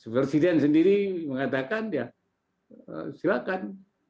presiden sendiri mengatakan ya silakan